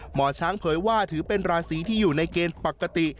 หมอช้างเผยว่าถือเป็นราศีที่อยู่ในเกณฑ์ปกติ